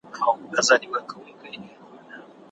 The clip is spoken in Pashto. بهرني خلک نه وایی کوم قوم لوبه ګټلې ده.